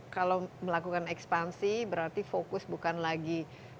kalau melakukan ekspansi berarti fokus bukan lagi